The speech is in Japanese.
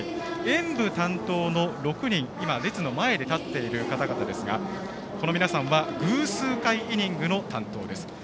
演舞担当の６人今、列の前で立っている方々ですが、この皆さんは偶数回イニングの担当です。